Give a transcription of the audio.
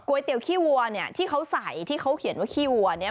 ก๋วยเตี๋ยวขี้วัวเนี่ยที่เขาใส่ที่เขาเขียนว่าขี้วัวเนี่ย